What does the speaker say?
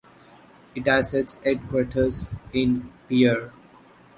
It has its headquarters in Pierre.